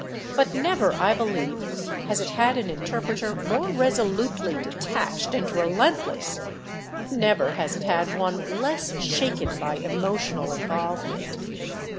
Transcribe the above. But never, I believe, has it had an interpreter more resolutely detached and relentless—never has it had one less shaken by emotional involvement.